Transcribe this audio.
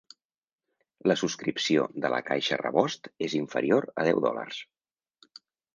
La subscripció de la caixa "rebost" és inferior a deu dòlars.